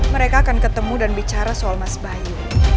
mereka akan ketemu dan bicara soal mas bayu